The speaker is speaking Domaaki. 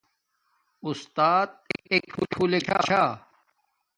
اُستات ایک پھولک چھا